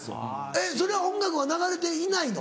えっそれは音楽が流れていないの？